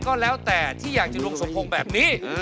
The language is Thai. ก็แล้วแต่ที่อยากจะดวงสมพงษ์แบบนี้